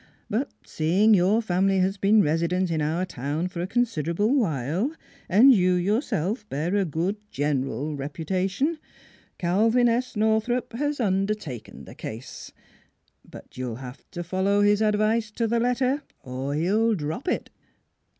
But, seeing your family has been resident in our town for a con siderable while, and you yourself bear a good general reputation, Calvin S. Northrup has un dertaken the case. But you'll have to follow his advice to the letter, or he'll drop it."